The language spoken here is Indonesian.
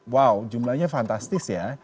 wow jumlahnya fantastis ya